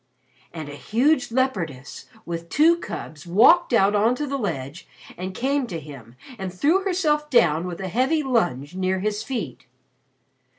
"And a huge leopardess with two cubs walked out on to the ledge and came to him and threw herself down with a heavy lunge near his feet."